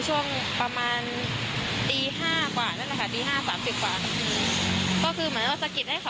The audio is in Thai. หนูก็ไม่กล้าไปแล้วค่ะ